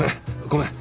ごめん。